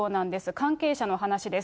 関係者の話です。